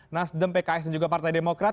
nasdem pks dan juga partai demokrat